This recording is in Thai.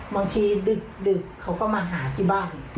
บางทีดึกเขาก็มาหาที่บ้าน